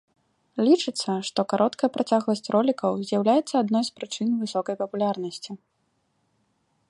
Лічыцца, што кароткая працягласць ролікаў з'яўляецца адной з прычын высокай папулярнасці.